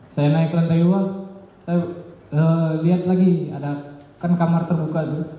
saya naik ke lantai dua saya lihat lagi ada kan kamar terbuka